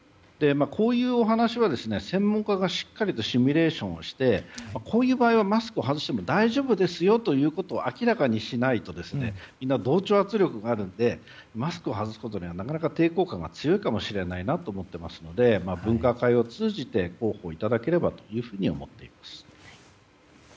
こういうお話は専門家がしっかりとシミュレーションをしてこういう場合はマスクを外しても大丈夫ですよと明らかにしないとみんな同調圧力があるのでマスクを外すことに抵抗感が強いかもしれないなと思っていますので分科会を通じて広報いただければと思います。